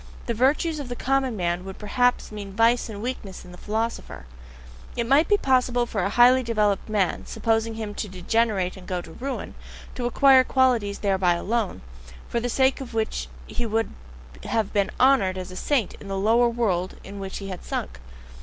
The virtues of the common man would perhaps mean vice and weakness in a philosopher; it might be possible for a highly developed man, supposing him to degenerate and go to ruin, to acquire qualities thereby alone, for the sake of which he would have to be honoured as a saint in the lower world into which he had sunk.